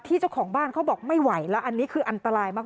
เจ้าของบ้านเขาบอกไม่ไหวแล้วอันนี้คืออันตรายมาก